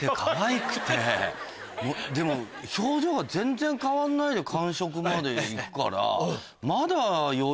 でも表情が全然変わんないで完食まで行くから。